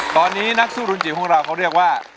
ตอนนี้นักสู้รุนจิ๋วของเราเขาเรียกว่า